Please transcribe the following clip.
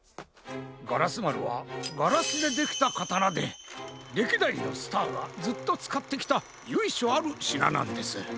ガラスまるはガラスでできたかたなでれきだいのスターがずっとつかってきたゆいしょあるしななんです。